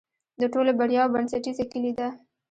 د ټولو بریاوو بنسټیزه کلي ده.